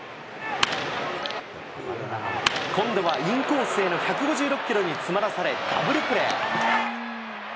今度はインコースへの１５６キロに詰まらされ、ダブルプレー。